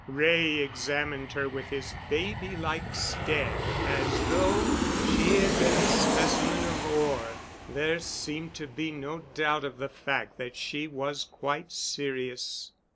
Wray examined her with his baby like stare as though she had been a specimen of ore. There seemed to be no doubt of the fact that she was quite serious.